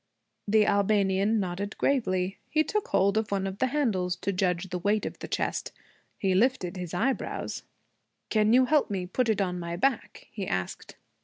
The Albanian nodded gravely. He took hold of one of the handles, to judge the weight of the chest. He lifted his eyebrows. 'Can you help me put it on my back?' he asked.